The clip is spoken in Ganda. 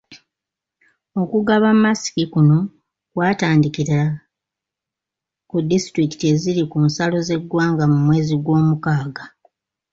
Okugaba masiki kuno kwatandikira ku disitulikiti eziri ku nsalo z’eggwanga mu mwezi gw’omukaaga.